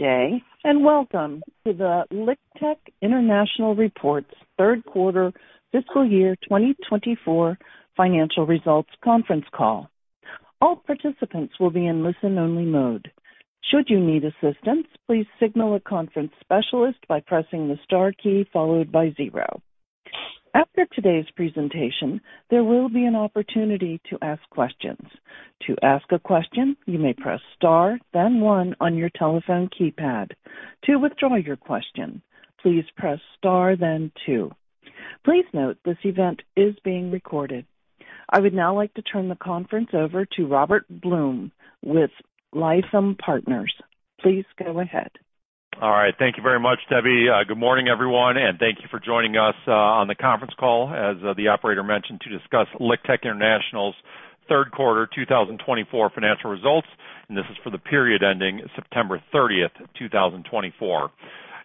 Good day and welcome to the LiqTech International Reports Third Quarter Fiscal Year 2024 Financial Results Conference call. All participants will be in listen-only mode. Should you need assistance, please signal a conference specialist by pressing the star key followed by zero. After today's presentation, there will be an opportunity to ask questions. To ask a question, you may press star, then one on your telephone keypad. To withdraw your question, please press star, then two. Please note this event is being recorded. I would now like to turn the conference over to Robert Blum with Lytham Partners. Please go ahead. All right. Thank you very much, Debbie. Good morning, everyone, and thank you for joining us on the conference call, as the operator mentioned, to discuss LiqTech International's third quarter 2024 financial results, and this is for the period ending September 30th 2024.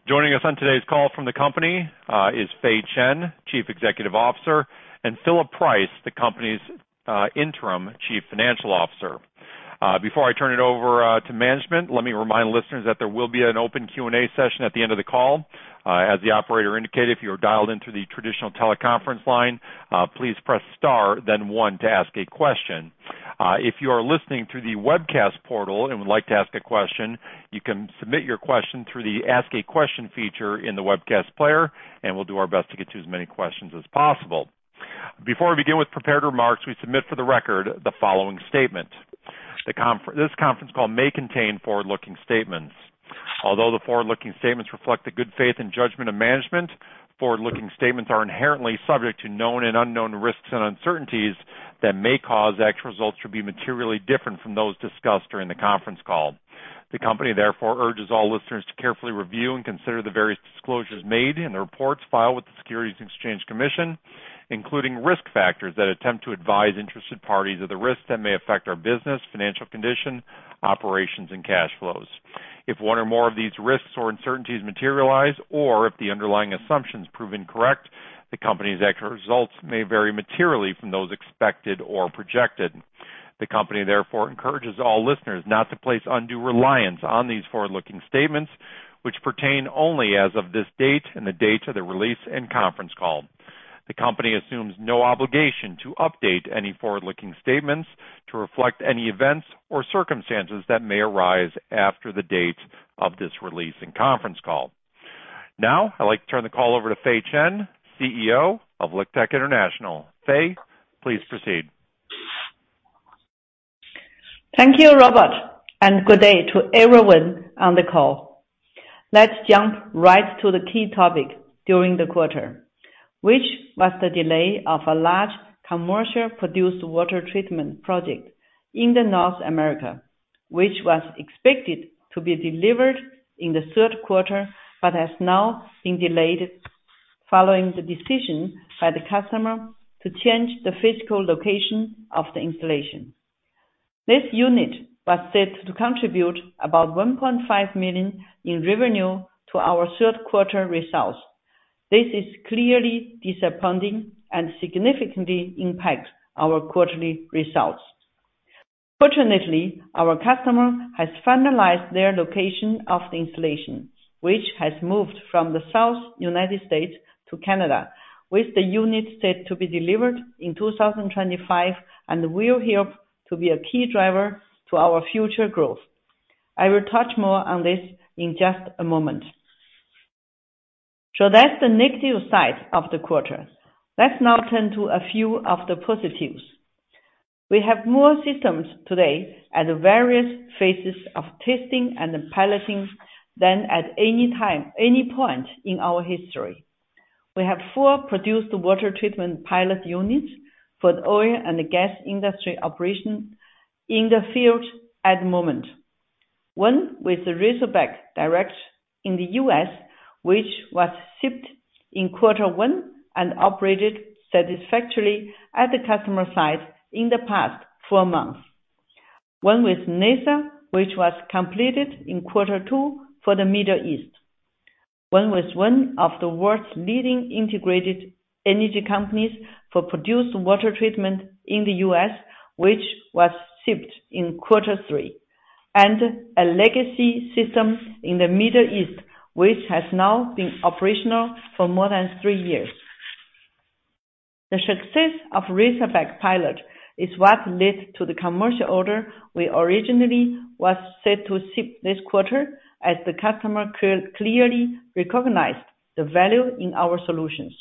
Joining us on today's call from the company is Fei Chen, Chief Executive Officer, and Philip Price, the company's interim Chief Financial Officer. Before I turn it over to management, let me remind listeners that there will be an open Q&A session at the end of the call. As the operator indicated, if you are dialed into the traditional teleconference line, please press star, then one to ask a question. If you are listening through the webcast portal and would like to ask a question, you can submit your question through the Ask a Question feature in the webcast player, and we'll do our best to get to as many questions as possible. Before we begin with prepared remarks, we submit for the record the following statement: This conference call may contain forward-looking statements. Although the forward-looking statements reflect the good faith and judgment of management, forward-looking statements are inherently subject to known and unknown risks and uncertainties that may cause actual results to be materially different from those discussed during the conference call. The company, therefore, urges all listeners to carefully review and consider the various disclosures made in the reports filed with the Securities and Exchange Commission, including risk factors that attempt to advise interested parties of the risks that may affect our business, financial condition, operations, and cash flows. If one or more of these risks or uncertainties materialize, or if the underlying assumptions prove incorrect, the company's actual results may vary materially from those expected or projected. The company, therefore, encourages all listeners not to place undue reliance on these forward-looking statements, which pertain only as of this date and the date of the release and conference call. The company assumes no obligation to update any forward-looking statements to reflect any events or circumstances that may arise after the date of this release and conference call. Now, I'd like to turn the call over to Fei Chen, CEO of LiqTech International. Fei, please proceed. Thank you, Robert, and good day to everyone on the call. Let's jump right to the key topic during the quarter, which was the delay of a large commercial produced water treatment project in North America, which was expected to be delivered in the third quarter but has now been delayed following the decision by the customer to change the physical location of the installation. This unit was said to contribute about $1.5 million in revenue to our third quarter results. This is clearly disappointing and significantly impacts our quarterly results. Fortunately, our customer has finalized their location of the installation, which has moved from the South United States to Canada, with the unit said to be delivered in 2025 and will help to be a key driver to our future growth. I will touch more on this in just a moment. So that's the negative side of the quarter. Let's now turn to a few of the positives. We have more systems today at various phases of testing and piloting than at any point in our history. We have four produced water treatment pilot units for the oil and gas industry operation in the field at the moment. One with Razorback Direct in the U.S., which was shipped in quarter one and operated satisfactorily at the customer site in the past four months. One with NESR, which was completed in quarter two for the Middle East. One with one of the world's leading integrated energy companies for produced water treatment in the U.S., which was shipped in quarter three, and a legacy system in the Middle East, which has now been operational for more than three years. The success of the Razorback pilot is what led to the commercial order we originally was said to ship this quarter, as the customer clearly recognized the value in our solutions.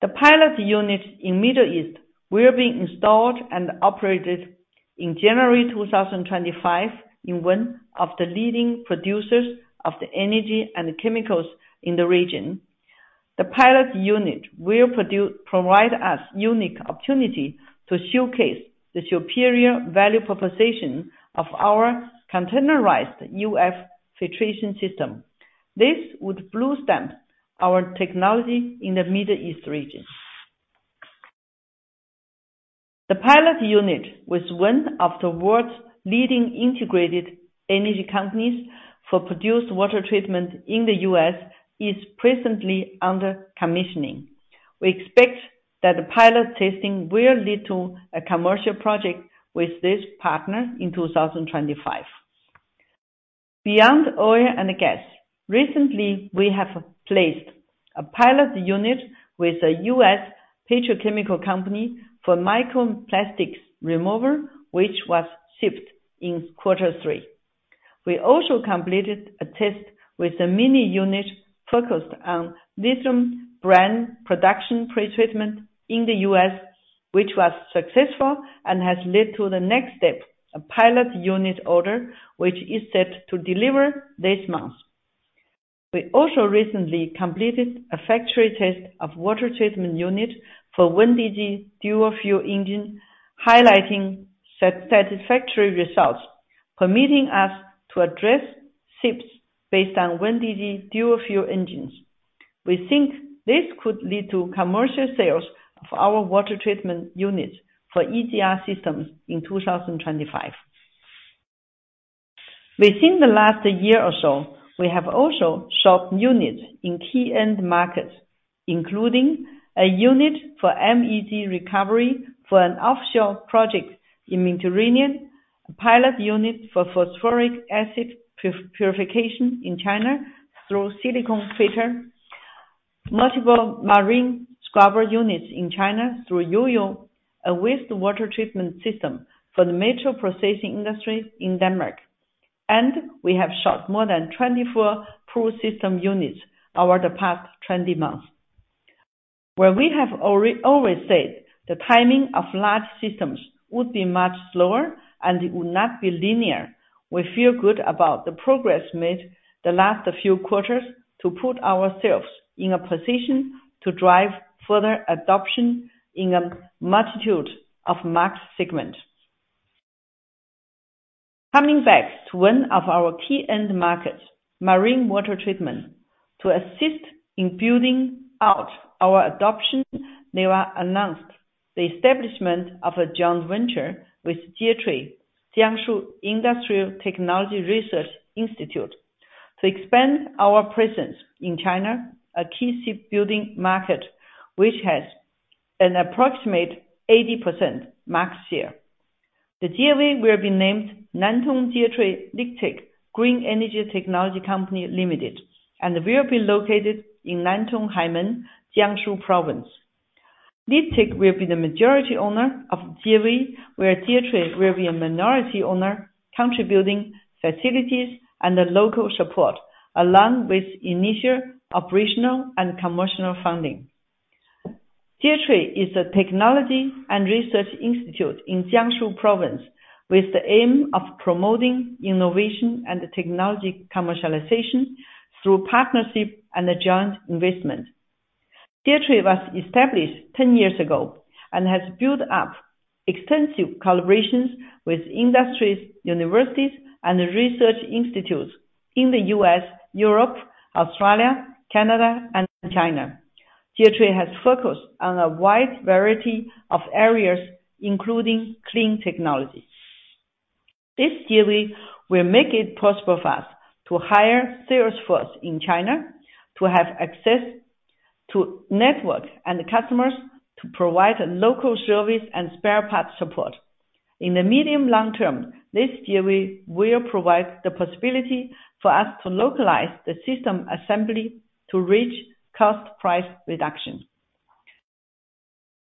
The pilot units in the Middle East will be installed and operated in January 2025 in one of the leading producers of energy and chemicals in the region. The pilot unit will provide us a unique opportunity to showcase the superior value proposition of our containerized UF filtration system. This would blue stamp our technology in the Middle East region. The pilot unit with one of the world's leading integrated energy companies for produced water treatment in the US is presently under commissioning. We expect that the pilot testing will lead to a commercial project with this partner in 2025. Beyond oil and gas, recently we have placed a pilot unit with a U.S. petrochemical company for microplastics removal, which was shipped in quarter three. We also completed a test with a mini unit focused on lithium brine production pre-treatment in the U.S., which was successful and has led to the next step, a pilot unit order, which is set to deliver this month. We also recently completed a factory test of water treatment unit for WinGD dual fuel engine, highlighting satisfactory results, permitting us to address ships based on WinGD dual fuel engines. We think this could lead to commercial sales of our water treatment units for EGR systems in 2025. Within the last year or so, we have also shipped units in key end markets, including a unit for MEG recovery for an offshore project in Mediterranean, a pilot unit for phosphoric acid purification in China through silicon filter, multiple marine scrubber units in China through Yoyo, a wastewater treatment system for the metal processing industry in Denmark, and we have shipped more than 24 pool system units over the past 20 months. Where we have always said the timing of large systems would be much slower and would not be linear, we feel good about the progress made the last few quarters to put ourselves in a position to drive further adoption in a multitude of market segments. Coming back to one of our key end markets, marine water treatment, to assist in building out our adoption, they have announced the establishment of a joint venture with JITRI, Jiangsu Industrial Technology Research Institute, to expand our presence in China, a key shipbuilding market, which has an approximate 80% market share. The JITRI will be named Nantong JITRI LiqTech Green Energy Technology Company Limited, and will be located in Nantong Haimen, Jiangsu Province. LiqTech will be the majority owner of JITRI, where JITRI will be a minority owner, contributing facilities and local support, along with initial operational and commercial funding. JITRI is a technology and research institute in Jiangsu Province with the aim of promoting innovation and technology commercialization through partnership and joint investment. JITRI was established 10 years ago and has built up extensive collaborations with industries, universities, and research institutes in the U.S., Europe, Australia, Canada, and China. JITRI has focused on a wide variety of areas, including clean technology. This JITRI will make it possible for us to hire sales force in China to have access to network and customers to provide local service and spare parts support. In the medium-long term, this JITRI will provide the possibility for us to localize the system assembly to reach cost-price reduction.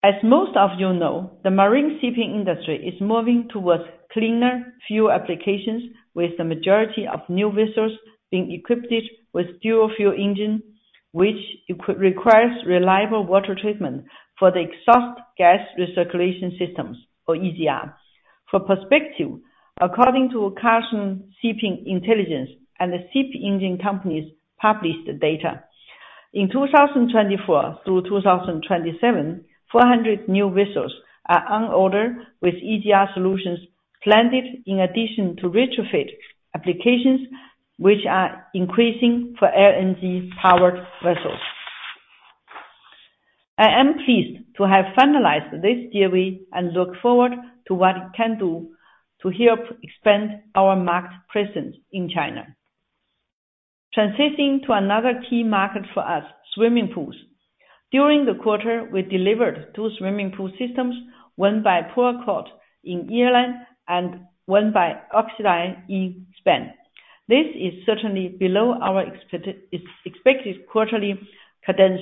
As most of you know, the marine shipping industry is moving towards cleaner fuel applications, with the majority of new vessels being equipped with dual fuel engine, which requires reliable water treatment for the exhaust gas recirculation systems, or EGR. For perspective, according to Clarksons Research and the Ship Engine Company's published data, in 2024 through 2027, 400 new vessels are on order with EGR solutions planned in addition to retrofit applications, which are increasing for LNG-powered vessels. I am pleased to have finalized this JITRI and look forward to what it can do to help expand our market presence in China. Transitioning to another key market for us, swimming pools. During the quarter, we delivered two swimming pool systems, one by Pure Court in Ireland and one by Oxidine in Spain. This is certainly below our expected quarterly cadence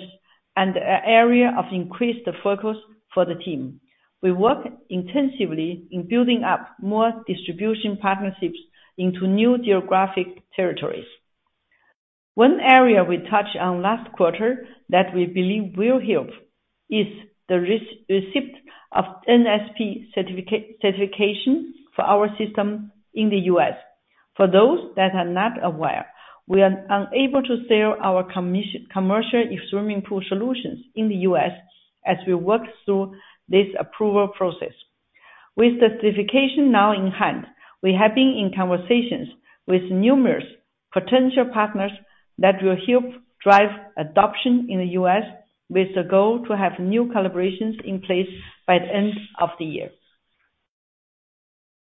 and an area of increased focus for the team. We work intensively in building up more distribution partnerships into new geographic territories. One area we touched on last quarter that we believe will help is the receipt of NSF certification for our system in the U.S. For those that are not aware, we are unable to sell our commercial swimming pool solutions in the U.S. as we work through this approval process. With the certification now in hand, we have been in conversations with numerous potential partners that will help drive adoption in the U.S., with the goal to have new collaborations in place by the end of the year.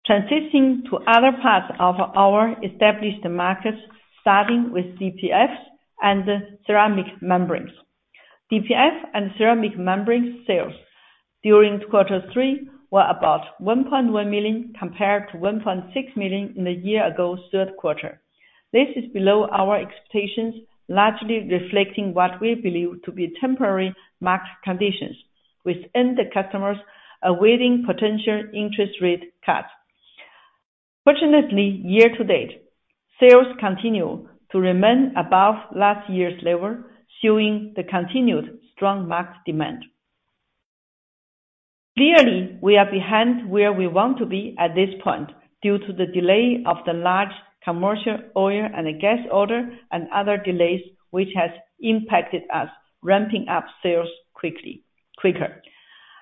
Transitioning to other parts of our established markets, starting with DPFs and ceramic membranes. DPF and ceramic membrane sales during quarter three were about $1.1 million compared to $1.6 million in the year ago's third quarter. This is below our expectations, largely reflecting what we believe to be temporary market conditions with end customers awaiting potential interest rate cuts. Fortunately, year to date, sales continue to remain above last year's level, showing the continued strong market demand. Clearly, we are behind where we want to be at this point due to the delay of the large commercial oil and gas order and other delays, which has impacted us ramping up sales quicker.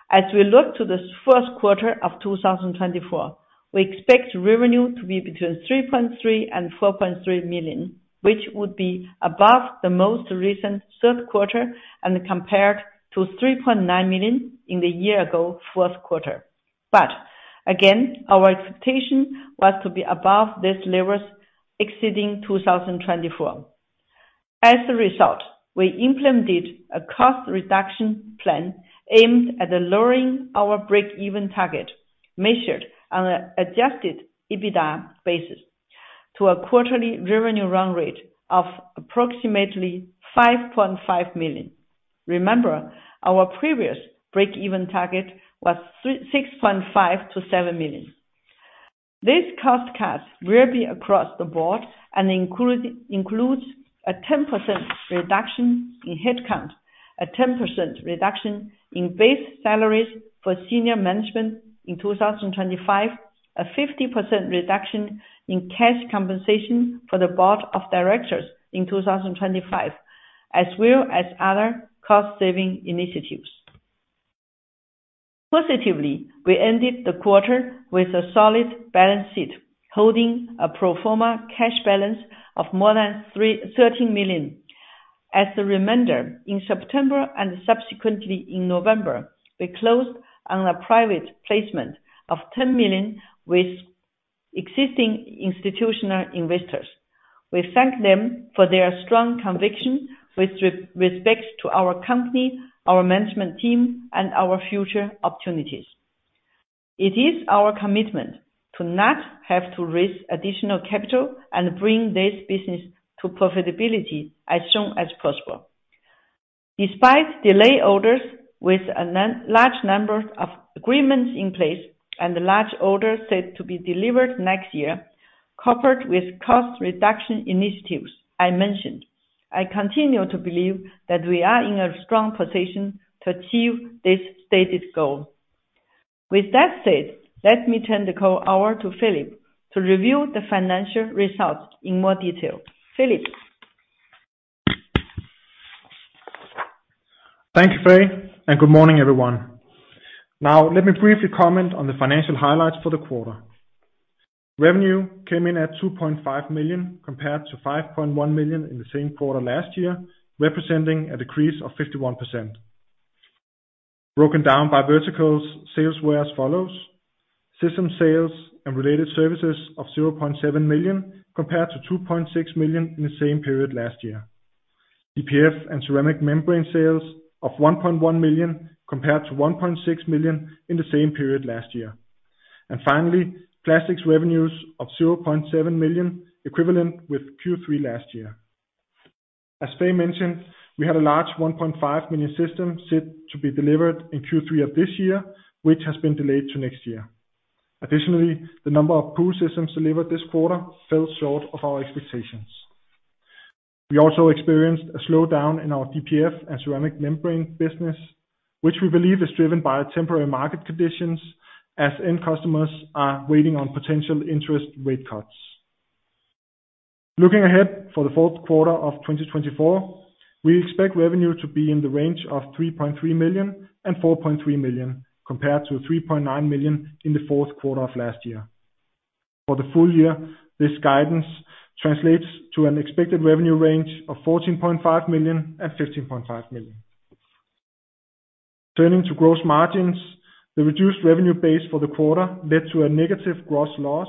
As we look to the first quarter of 2024, we expect revenue to be between $3.3 million and $4.3 million, which would be above the most recent third quarter and compared to $3.9 million in the year ago's fourth quarter. But again, our expectation was to be above these levels exceeding 2024. As a result, we implemented a cost reduction plan aimed at lowering our break-even target, measured on an adjusted EBITDA basis, to a quarterly revenue run rate of approximately $5.5 million. Remember, our previous break-even target was $6.5 million to $7 million. This cost cut will be across the board and includes a 10% reduction in headcount, a 10% reduction in base salaries for senior management in 2025, a 50% reduction in cash compensation for the board of directors in 2025, as well as other cost-saving initiatives. Positively, we ended the quarter with a solid balance sheet, holding a pro forma cash balance of more than $13 million. As a reminder, in September and subsequently in November, we closed on a private placement of $10 million with existing institutional investors. We thank them for their strong conviction with respect to our company, our management team, and our future opportunities. It is our commitment to not have to raise additional capital and bring this business to profitability as soon as possible. Despite delayed orders with a large number of agreements in place and large orders said to be delivered next year, coupled with cost reduction initiatives I mentioned, I continue to believe that we are in a strong position to achieve this stated goal. With that said, let me turn the call over to Philip to review the financial results in more detail. Philip. Thank you, Fei, and good morning, everyone. Now, let me briefly comment on the financial highlights for the quarter. Revenue came in at $2.5 million compared to $5.1 million in the same quarter last year, representing a decrease of 51%. Broken down by verticals, sales were as follows: system sales and related services of $0.7 million compared to $2.6 million in the same period last year. DPF and ceramic membrane sales of $1.1 million compared to $1.6 million in the same period last year. Finally, plastics revenues of $0.7 million equivalent with Q3 last year. As Fei mentioned, we had a large $1.5 million system set to be delivered in Q3 of this year, which has been delayed to next year. Additionally, the number of pool systems delivered this quarter fell short of our expectations. We also experienced a slowdown in our DPF and ceramic membrane business, which we believe is driven by temporary market conditions as end customers are waiting on potential interest rate cuts. Looking ahead for the fourth quarter of 2024, we expect revenue to be in the range of $3.3 million and $4.3 million compared to $3.9 million in the fourth quarter of last year. For the full year, this guidance translates to an expected revenue range of $14.5 million and $15.5 million. Turning to gross margins, the reduced revenue base for the quarter led to a negative gross loss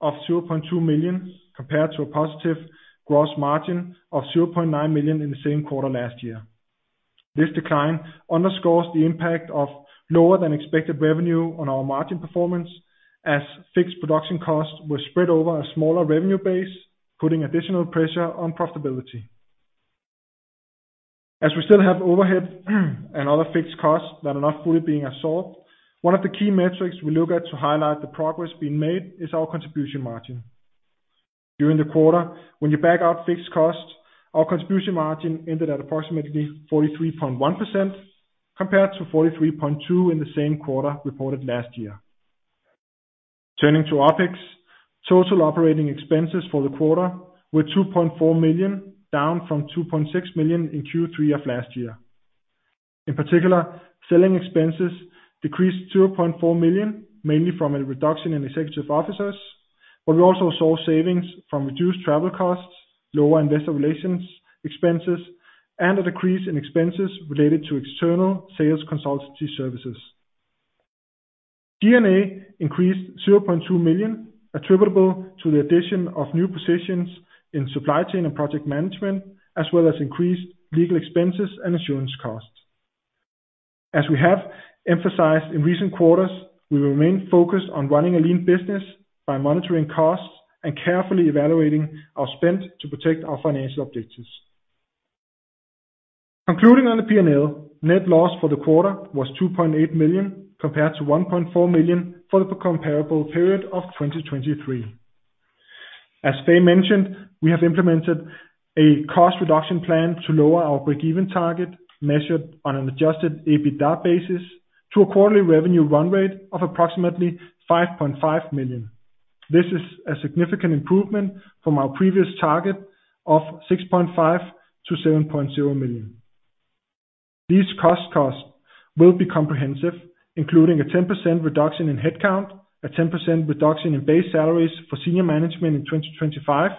of $0.2 million compared to a positive gross margin of $0.9 million in the same quarter last year. This decline underscores the impact of lower-than-expected revenue on our margin performance as fixed production costs were spread over a smaller revenue base, putting additional pressure on profitability. As we still have overhead and other fixed costs that are not fully being absorbed, one of the key metrics we look at to highlight the progress being made is our contribution margin. During the quarter, when you back out fixed costs, our contribution margin ended at approximately 43.1% compared to 43.2% in the same quarter reported last year. Turning to OpEx, total operating expenses for the quarter were $2.4 million, down from $2.6 million in Q3 of last year. In particular, selling expenses decreased $2.4 million, mainly from a reduction in executive officers, but we also saw savings from reduced travel costs, lower investor relations expenses, and a decrease in expenses related to external sales consultancy services. G&A increased $0.2 million, attributable to the addition of new positions in supply chain and project management, as well as increased legal expenses and insurance costs. As we have emphasized in recent quarters, we remain focused on running a lean business by monitoring costs and carefully evaluating our spend to protect our financial objectives. Concluding on the P&L, net loss for the quarter was $2.8 million compared to $1.4 million for the comparable period of 2023. As Fei mentioned, we have implemented a cost reduction plan to lower our break-even target, measured on an Adjusted EBITDA basis, to a quarterly revenue run rate of approximately $5.5 million. This is a significant improvement from our previous target of $6.5-$7.0 million. These cost cuts will be comprehensive, including a 10% reduction in headcount, a 10% reduction in base salaries for senior management in 2025,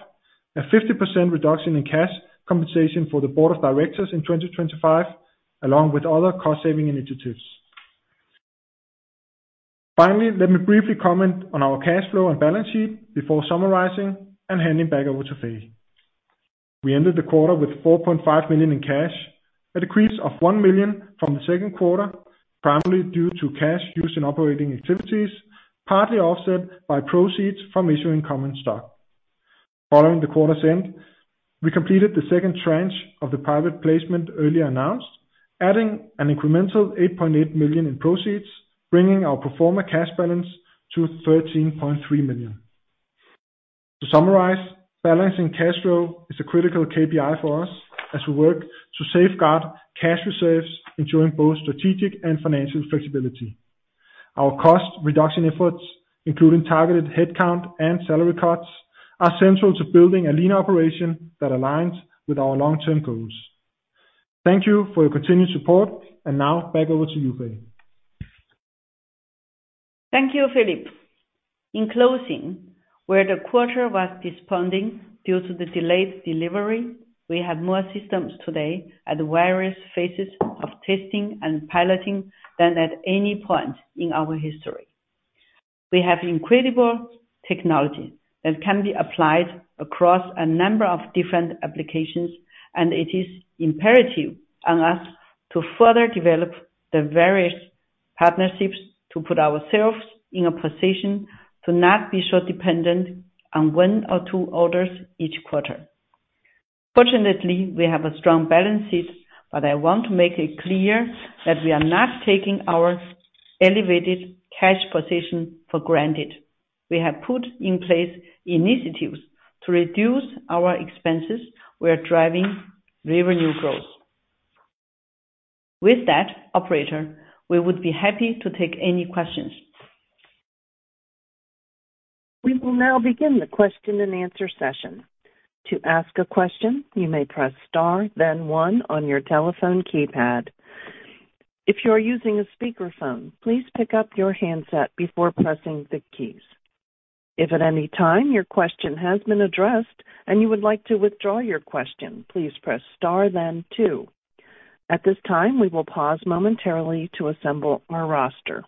a 50% reduction in cash compensation for the board of directors in 2025, along with other cost-saving initiatives. Finally, let me briefly comment on our cash flow and balance sheet before summarizing and handing back over to Fei. We ended the quarter with $4.5 million in cash, a decrease of $1 million from the second quarter, primarily due to cash used in operating activities, partly offset by proceeds from issuing common stock. Following the quarter's end, we completed the second tranche of the private placement earlier announced, adding an incremental $8.8 million in proceeds, bringing our pro forma cash balance to $13.3 million. To summarize, balancing cash flow is a critical KPI for us as we work to safeguard cash reserves, ensuring both strategic and financial flexibility. Our cost reduction efforts, including targeted headcount and salary cuts, are central to building a lean operation that aligns with our long-term goals. Thank you for your continued support, and now back over to you, Fei. Thank you, Philip. In closing, where the quarter was disappointing due to the delayed delivery, we have more systems today at various phases of testing and piloting than at any point in our history. We have incredible technology that can be applied across a number of different applications, and it is imperative on us to further develop the various partnerships to put ourselves in a position to not be so dependent on one or two orders each quarter. Fortunately, we have a strong balance sheet, but I want to make it clear that we are not taking our elevated cash position for granted. We have put in place initiatives to reduce our expenses while driving revenue growth. With that, Operator, we would be happy to take any questions. We will now begin the question-and-answer session. To ask a question, you may press star, then one on your telephone keypad. If you are using a speakerphone, please pick up your handset before pressing the keys. If at any time your question has been addressed and you would like to withdraw your question, please press star, then two. At this time, we will pause momentarily to assemble our roster.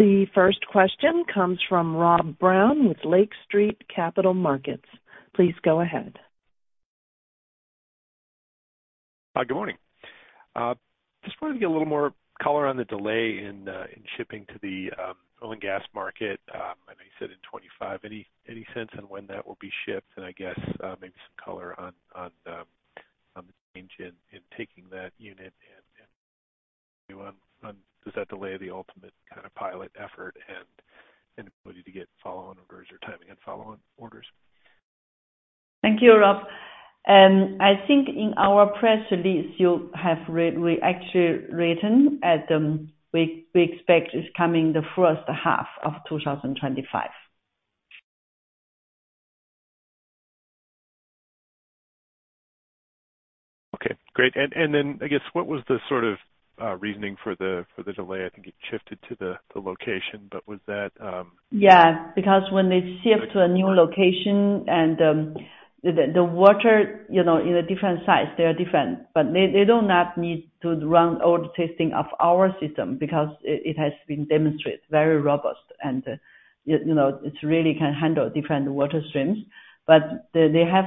The first question comes from Rob Brown with Lake Street Capital Markets. Please go ahead. Hi, good morning. Just wanted to get a little more color on the delay in shipping to the oil and gas market, as I said in 2025. Any sense on when that will be shipped? And I guess maybe some color on the change in taking that unit and does that delay the ultimate kind of pilot effort and ability to get follow-on orders or timing and follow-on orders? Thank you, Rob. I think in our press release, you have actually written that we expect it's coming the first half of 2025. Okay. Great. And then, I guess, what was the sort of reasoning for the delay? I think it shifted to the location, but was that? Yeah, because when they ship to a new location and the water in a different size, they are different. But they do not need to run all the testing of our system because it has been demonstrated very robust, and it really can handle different water streams. But they have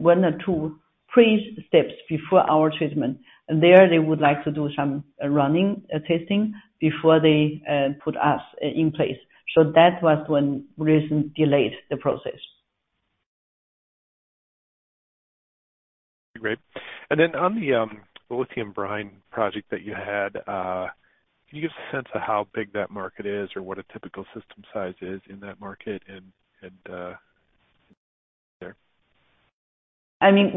one or two pre-steps before our treatment, and there they would like to do some running testing before they put us in place. So that was the one reason delayed the process. Okay. Great. And then on the lithium brine project that you had, can you give us a sense of how big that market is or what a typical system size is in that market and there? I mean,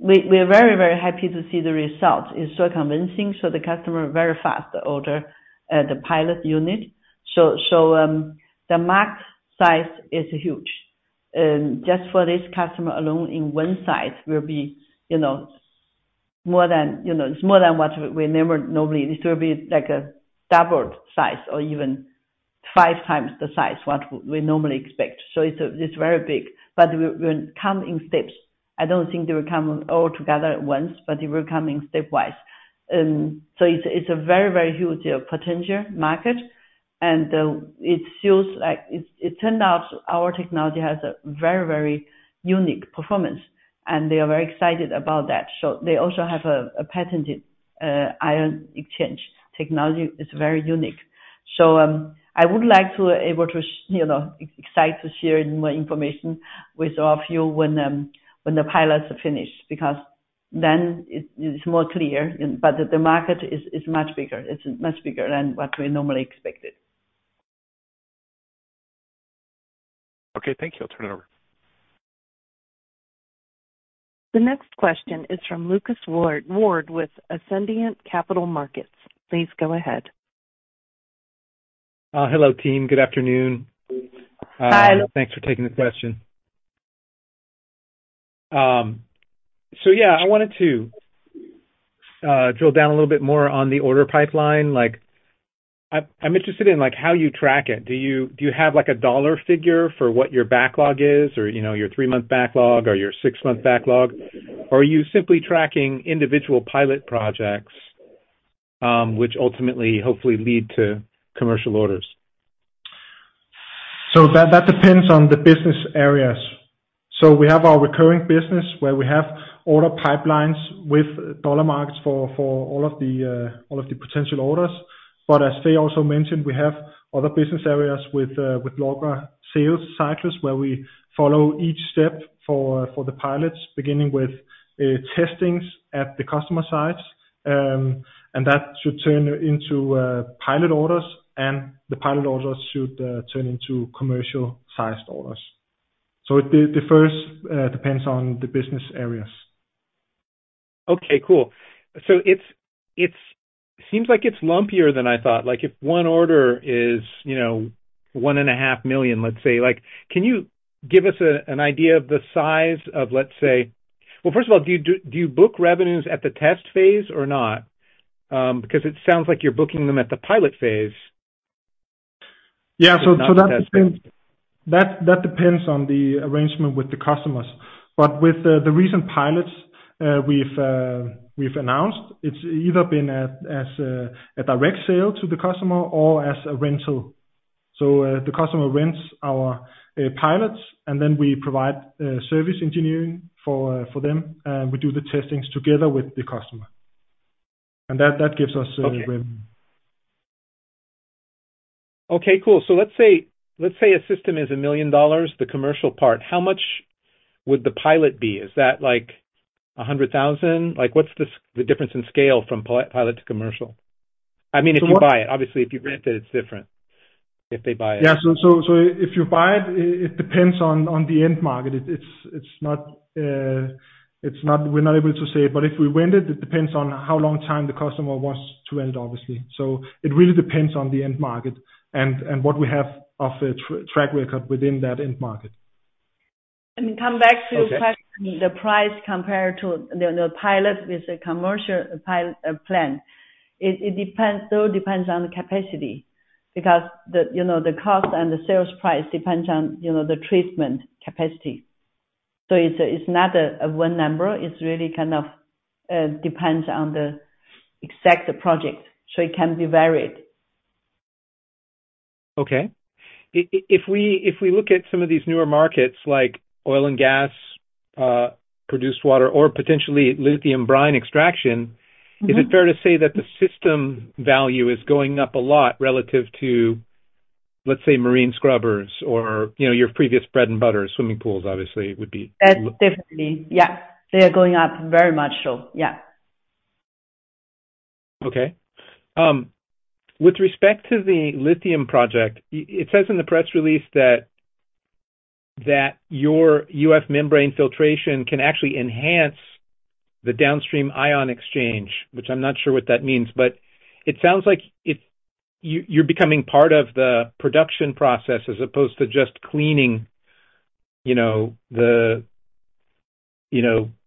we are very, very happy to see the result. It's so convincing. So the customer verifies the order at the pilot unit. So the market size is huge. Just for this customer alone in one size will be more than it's more than what we normally—this will be like a double size or even five times the size what we normally expect. It's very big. It will come in steps. I don't think they will come all together at once, but it will come in stepwise. It's a very, very huge potential market, and it feels like it turned out our technology has a very, very unique performance, and they are very excited about that. They also have a patented ion exchange technology. It's very unique. I would like to be able to excited to share more information with all of you when the pilots are finished because then it's more clear, but the market is much bigger. It's much bigger than what we normally expected. Okay. Thank you. I'll turn it over. The next question is from Lucas Ward with Ascendiant Capital Markets. Please go ahead. Hello, team. Good afternoon. Hi. Thanks for taking the question. So yeah, I wanted to drill down a little bit more on the order pipeline. I'm interested in how you track it. Do you have a dollar figure for what your backlog is, or your three-month backlog, or your six-month backlog? Or are you simply tracking individual pilot projects, which ultimately, hopefully, lead to commercial orders? So that depends on the business areas. So we have our recurring business where we have order pipelines with dollar marks for all of the potential orders. But as Fei also mentioned, we have other business areas with longer sales cycles where we follow each step for the pilots, beginning with testing at the customer sites. And that should turn into pilot orders, and the pilot orders should turn into commercial-sized orders. So it differs. It depends on the business areas. Okay. Cool. So it seems like it's lumpier than I thought. If one order is $1.5 million, let's say, can you give us an idea of the size of, let's say well, first of all, do you book revenues at the test phase or not? Because it sounds like you're booking them at the pilot phase. Yeah. So that depends on the arrangement with the customers. But with the recent pilots we've announced, it's either been as a direct sale to the customer or as a rental. So the customer rents our pilots, and then we provide service engineering for them, and we do the testings together with the customer. And that gives us revenue. Okay. Cool. So let's say a system is $1 million, the commercial part. How much would the pilot be? Is that like $100,000? What's the difference in scale from pilot to commercial? I mean, if you buy it. Obviously, if you rent it, it's different if they buy it. Yeah. So if you buy it, it depends on the end market. We're not able to say. But if we rent it, it depends on how long time the customer wants to rent, obviously. So it really depends on the end market and what we have of a track record within that end market. And come back to your question, the price compared to the pilot with the commercial plan, it still depends on the capacity because the cost and the sales price depends on the treatment capacity. So it's not a one number. It really kind of depends on the exact project. So it can be varied. Okay. If we look at some of these newer markets like oil and gas, produced water, or potentially lithium brine extraction, is it fair to say that the system value is going up a lot relative to, let's say, marine scrubbers or your previous bread and butter, swimming pools, obviously, would be? Definitely. Yeah. They are going up very much so. Yeah. Okay. With respect to the lithium project, it says in the press release that your UF membrane filtration can actually enhance the downstream ion exchange, which I'm not sure what that means. But it sounds like you're becoming part of the production process as opposed to just cleaning the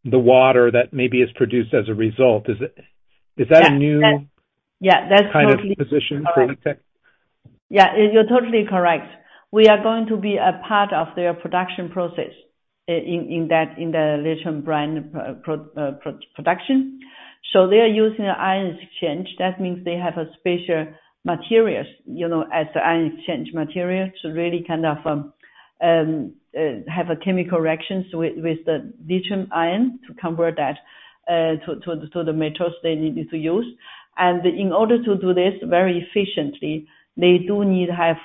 water that maybe is produced as a result. Is that a new kind of position for LiqTech? Yeah. You're totally correct. We are going to be a part of their production process in the lithium brine production. So they are using the ion exchange. That means they have special materials as the ion exchange material to really kind of have a chemical reaction with the lithium ion to convert that to the metals they need to use. And in order to do this very efficiently, they do need to have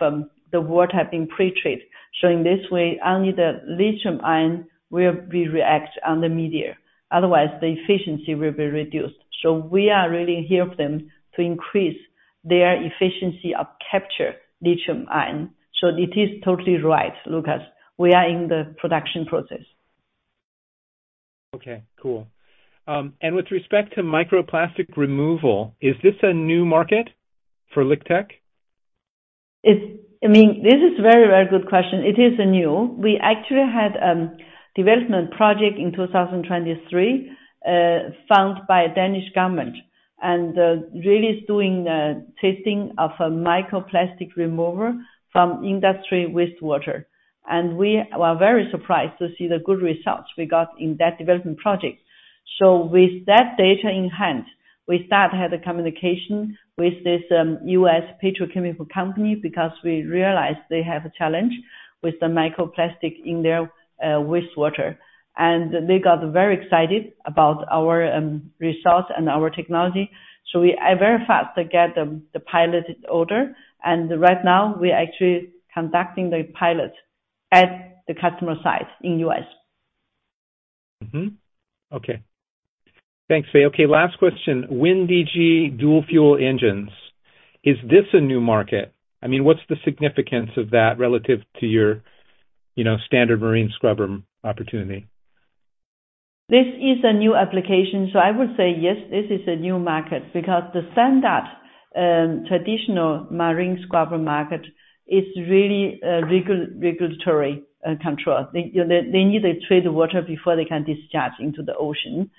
the water being pretreated, so in this way only the lithium ion will react on the media. Otherwise, the efficiency will be reduced. So we are really here for them to increase their efficiency of capture lithium ion. So it is totally right, Lucas. We are in the production process. Okay. Cool. And with respect to microplastics removal, is this a new market for LiqTech? I mean, this is a very, very good question. It is new. We actually had a development project in 2023 funded by the Danish government and really is doing testing of a microplastic remover from industrial wastewater. And we were very surprised to see the good results we got in that development project. So with that data in hand, we started to have the communication with this U.S. petrochemical company because we realized they have a challenge with the microplastic in their wastewater. And they got very excited about our results and our technology. So we very fast got the pilot order. And right now, we're actually conducting the pilot at the customer site in the U.S. Okay. Thanks, Fei. Okay. Last question. WinGD dual fuel engines. Is this a new market? I mean, what's the significance of that relative to your standard marine scrubber opportunity? This is a new application. So I would say yes, this is a new market because the standard traditional marine scrubber market is really regulatory control. They need to treat the water before they can discharge into the ocean.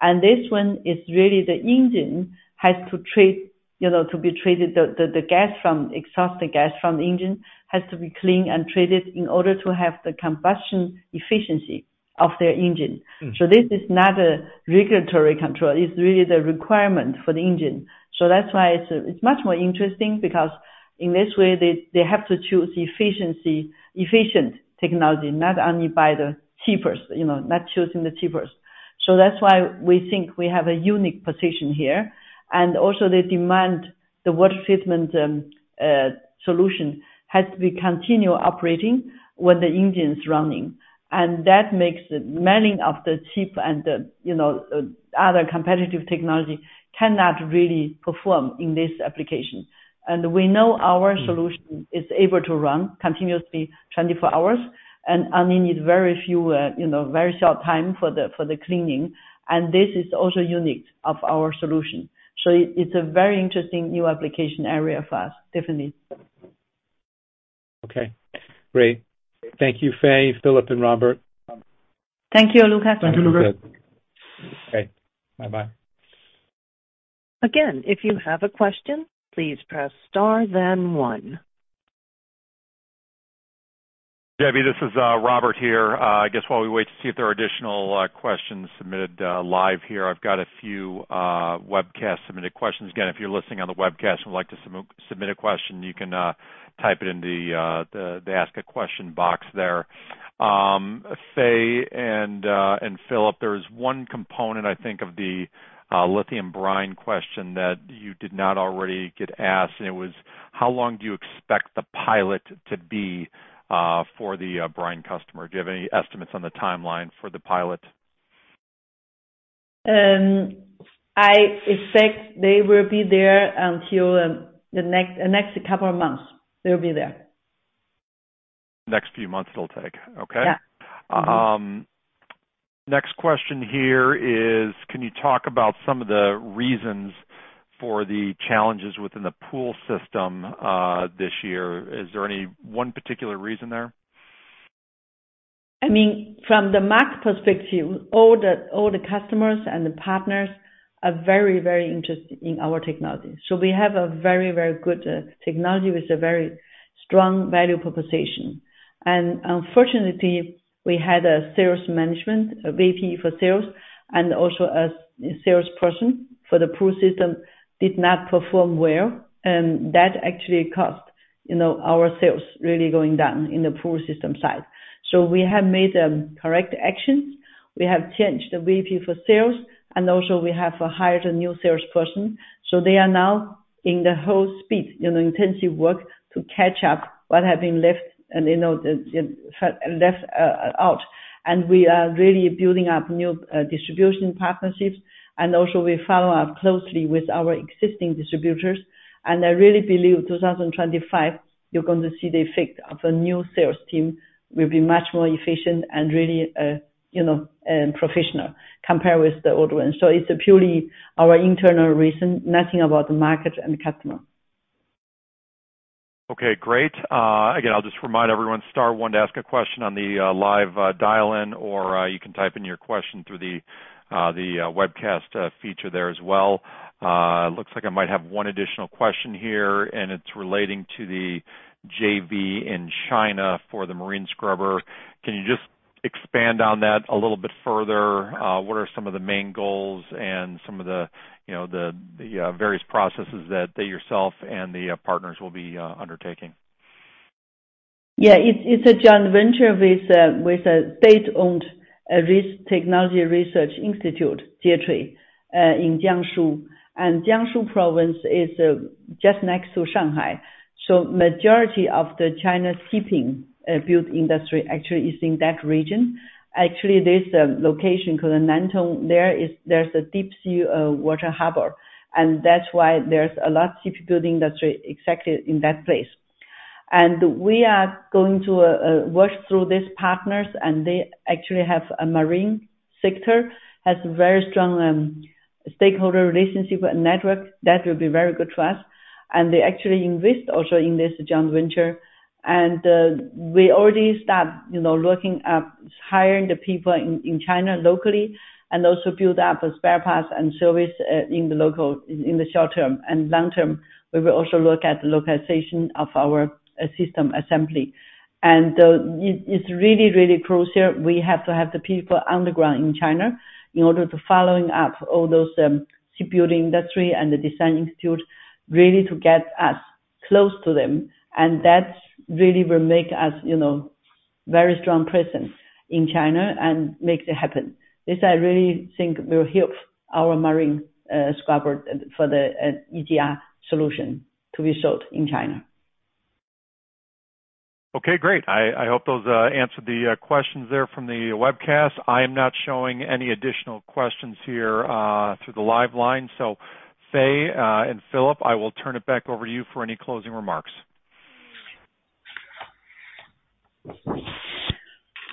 And this one is really the engine has to be treated. The gas from exhaust, the gas from the engine has to be cleaned and treated in order to have the combustion efficiency of their engine. So this is not a regulatory control. It's really the requirement for the engine. So that's why it's much more interesting because in this way, they have to choose efficient technology, not only by the cheapest, not choosing the cheapest. So that's why we think we have a unique position here. And also, the demand, the water treatment solution has to be continual operating when the engine is running. That makes the manning of the ship and other competitive technology cannot really perform in this application. We know our solution is able to run continuously 24 hours and only need very few, very short time for the cleaning. This is also unique of our solution. So it's a very interesting new application area for us, definitely. Okay. Great. Thank you, Fei, Philip, and Robert. Thank you, Lucas. Thank you, Lucas. Okay. Bye-bye. Again, if you have a question, please press star, then one. Debbie, this is Robert here. I guess while we wait to see if there are additional questions submitted live here, I've got a few webcast submitted questions. Again, if you're listening on the webcast and would like to submit a question, you can type it in the ask a question box there. Fei and Philip, there is one component, I think, of the lithium brine question that you did not already get asked. And it was, how long do you expect the pilot to be for the brine customer? Do you have any estimates on the timeline for the pilot? I expect they will be there until the next couple of months. They'll be there. Next few months it'll take. Okay. Next question here is, can you talk about some of the reasons for the challenges within the pool system this year? Is there any one particular reason there? I mean, from the market perspective, all the customers and the partners are very, very interested in our technology. So we have a very, very good technology with a very strong value proposition. Unfortunately, we had a sales management, a VP for sales, and also a salesperson for the pool system did not perform well. That actually caused our sales really going down in the pool system side. We have made correct actions. We have changed the VP for sales. We also have hired a new salesperson. They are now in the whole speed, intensive work to catch up what has been left out. We are really building up new distribution partnerships. We also follow up closely with our existing distributors. I really believe 2025, you're going to see the effect of a new sales team will be much more efficient and really professional compared with the old one. It's purely our internal reason, nothing about the market and the customer. Okay. Great. Again, I'll just remind everyone, star one, to ask a question on the live dial-in, or you can type in your question through the webcast feature there as well. Looks like I might have one additional question here, and it's relating to the JV in China for the marine scrubber. Can you just expand on that a little bit further? What are some of the main goals and some of the various processes that yourself and the partners will be undertaking? Yeah. It's a joint venture with a state-owned technology research institute, JITRI, in Jiangsu, and Jiangsu Province is just next to Shanghai, so the majority of China's shipbuilding industry actually is in that region. Actually, there's a location called Nantong. There's a deep-sea water harbor, and that's why there's a lot of shipbuilding industry exactly in that place. And we are going to work through these partners, and they actually have a marine sector, has a very strong stakeholder relationship and network. That will be very good for us. And they actually invest also in this joint venture. And we already start looking at hiring the people in China locally and also build up a spare parts and service in the short term. And long term, we will also look at the localization of our system assembly. And it's really, really crucial. We have to have the people on the ground in China in order to follow up all those shipbuilding industry and the design institute really to get us close to them. And that really will make us a very strong presence in China and make it happen. This I really think will help our marine scrubber for the EGR solution to be sold in China. Okay. Great. I hope those answered the questions there from the webcast. I am not showing any additional questions here through the live line. So Fei and Philip, I will turn it back over to you for any closing remarks.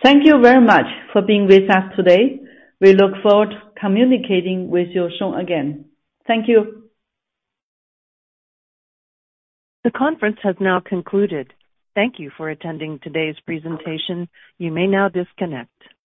Thank you very much for being with us today. We look forward to communicating with you soon again. Thank you. The conference has now concluded. Thank you for attending today's presentation. You may now disconnect.